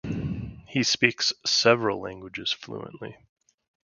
He speaks several languages fluently.